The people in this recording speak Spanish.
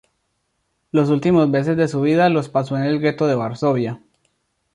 Los últimos meses de su vida los pasó en el gueto de Varsovia.